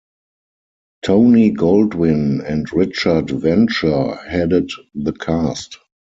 Tony Goldwyn and Richard Venture headed the cast.